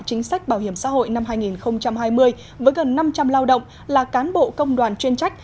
chính sách bảo hiểm xã hội năm hai nghìn hai mươi với gần năm trăm linh lao động là cán bộ công đoàn chuyên trách